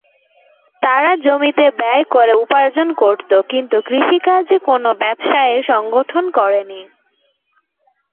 তাঁরা জমিতে ব্যয় করে উপার্জন করত, কিন্তু কৃষিকাজে কোন ব্যবসায়ের সংগঠন করেননি।